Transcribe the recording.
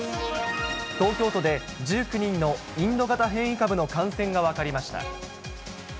東京都で１９人のインド型変異株の感染が分かりました。